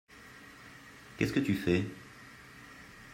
Qu’est-ce que tu fais?